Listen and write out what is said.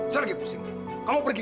saya juga mau pergi